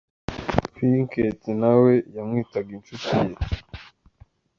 Pinket na we yamwitaga inshuti ye.